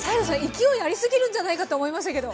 勢いありすぎるんじゃないかと思いましたけど。